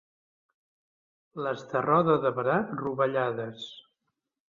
Les de Roda de Barà, rovellades.